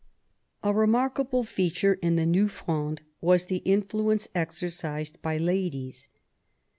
A remarkable feature in the New Fronde was the influence exercised by ladies.